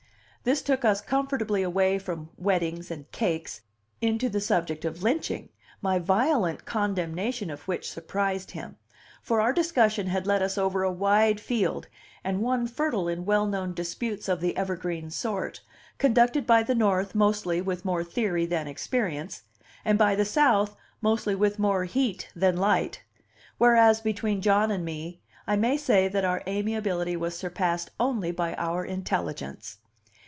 This took us comfortably away from weddings and cakes into the subject of lynching, my violent condemnation of which surprised him; for our discussion had led us over a wide field, and one fertile in well known disputes of the evergreen sort, conducted by the North mostly with more theory than experience, and by the South mostly with more heat than light; whereas, between John and me, I may say that our amiability was surpassed only by our intelligence!